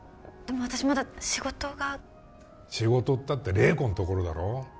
でも私まだ仕事が仕事ったって麗子んところだろ？